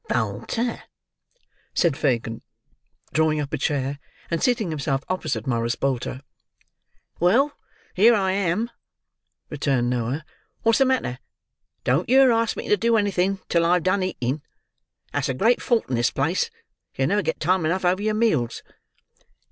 "Bolter," said Fagin, drawing up a chair and seating himself opposite Morris Bolter. "Well, here I am," returned Noah. "What's the matter? Don't yer ask me to do anything till I have done eating. That's a great fault in this place. Yer never get time enough over yer meals."